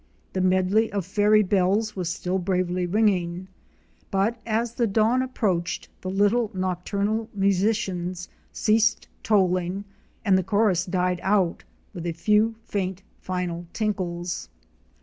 The medley of fairy bells was still bravely ringing, but as the dawn approached, the little nocturnal musicians ceased tolling and the chorus died out with a few faint, final tinkles.